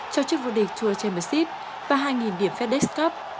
cho chiếc vô địch tour chamisite và hai điểm fedex cup